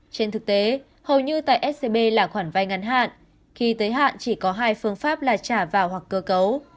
trên thực tế hầu như tại scb là khoản vay ngắn hạn khi tới hạn chỉ có hai phương pháp là trả vào hoặc cơ cấu